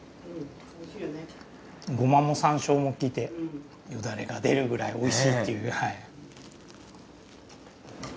ごまも山椒も効いてよだれが出るくらいおいしいっていう。